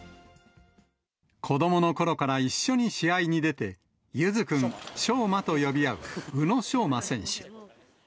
子どものころから一緒に試合に出て、ゆづ君、しょうまと呼び合う宇野昌磨選手。